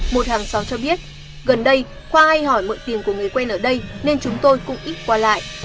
một hàng xóm cho biết gần đây khoa hay hỏi mượn tiền của người quen ở đây nên chúng tôi cũng ít qua lại